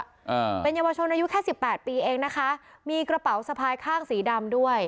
อ่าเป็นเยาวชนอายุแค่สิบแปดปีเองนะคะมีกระเป๋าสะพายข้างสีดำด้วย